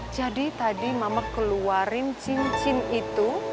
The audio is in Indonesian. jadi tadi mama keluarin cincin itu